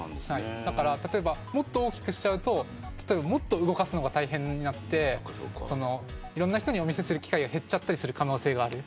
だからもっと大きくしちゃうともっと動かすのが大変になっていろんな人にお見せする機会が減ったりする可能性がある。